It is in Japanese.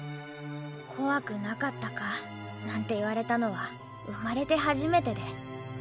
「怖くなかったか？」なんて言われたのは生まれて初めてで。